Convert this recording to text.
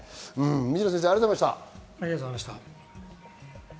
水野先生、ありがとうございました。